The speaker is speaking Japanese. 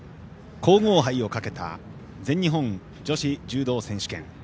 皇后盃をかけた全日本女子柔道選手権。